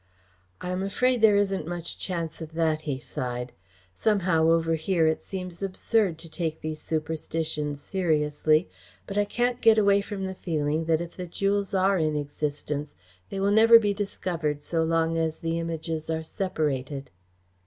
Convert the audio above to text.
"I am afraid there isn't much chance of that," he sighed. "Somehow, over here it seems absurd to take these superstitions seriously, but I can't get away from the feeling that if the jewels are in existence they will never be discovered so long as the Images are separated."